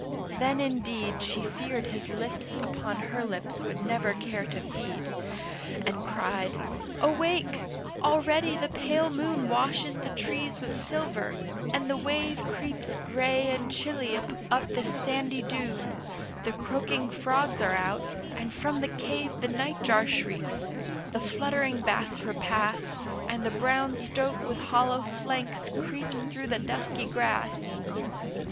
then indeed She feared his lips upon her lips would never care to feed, And cried, 'Awake, already the pale moon Washes the trees with silver, and the wave Creeps grey and chilly up this sandy dune, The croaking frogs are out, and from the cave The nightjar shrieks, the fluttering bats repass, And the brown stoat with hollow flanks creeps through the dusky grass.